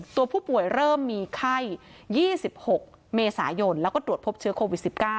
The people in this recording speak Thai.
ตัวผู้ป่วยเริ่มมีไข้๒๖เมษายนแล้วก็ตรวจพบเชื้อโควิด๑๙